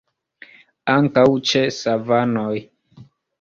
Ankaŭ ĉe savanoj.